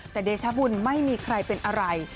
แต่เดชบุญไม่มีใครเป็นอะไร